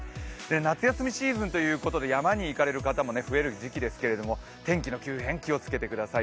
夏休みシーズンということで山に行かれる方、多いと思いますが天気の急変、気をつけてください。